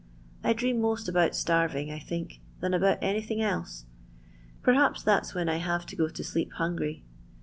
I dream most about starving I think, than about anything else. Perhaps that's when I have to go to sleep hungry.